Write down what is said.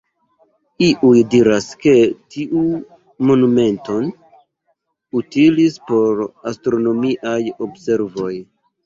Iuj diras ke tiu monumento utilis por astronomiaj observoj.